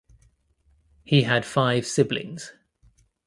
He had five siblings.